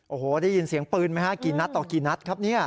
โอ้โหได้ยินเสียงปืนไหมฮะกี่นัดต่อกี่นัดครับเนี่ย